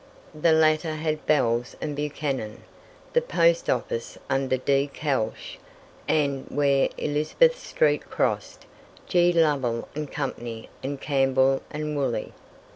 The latter had Bells and Buchanan, the Post Office under D. Kelsh, and, where Elizabeth street crossed, G. Lovell and Company and Campbell and Woolley.